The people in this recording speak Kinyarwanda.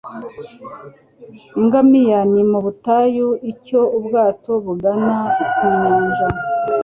Ingamiya ni mu butayu icyo ubwato bugana ku nyanja.